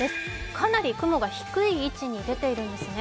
かなり雲が低い位置に出ているんですね。